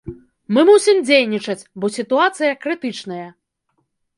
Мы мусім дзейнічаць, бо сітуацыя крытычная!